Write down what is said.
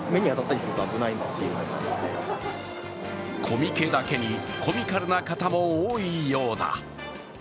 コミケだけに、コミカルな方も多いようだ。